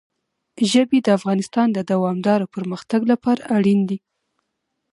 ژبې د افغانستان د دوامداره پرمختګ لپاره اړین دي.